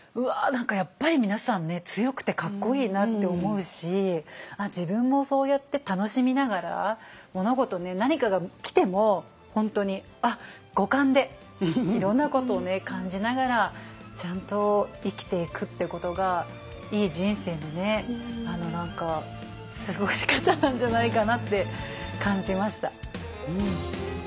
何かやっぱり皆さんね強くてかっこいいなって思うし自分もそうやって楽しみながら物事何かが来ても本当に五感でいろんなことを感じながらちゃんと生きていくっていうことがいい人生の過ごし方なんじゃないかなって感じました。